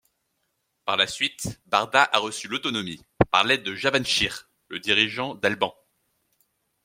Par la suite, Barda a reçu l'autonomie par l'aide de Javanchir, le dirigeant d'Alban.